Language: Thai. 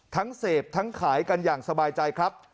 เสพทั้งขายกันอย่างสบายใจครับ